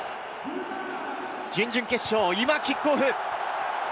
準々決勝、今キックオフ。